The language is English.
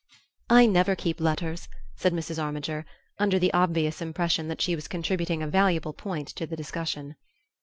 "I never keep letters," said Mrs. Armiger, under the obvious impression that she was contributing a valuable point to the discussion.